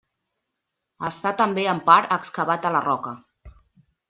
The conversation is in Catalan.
Està també en part excavat a la roca.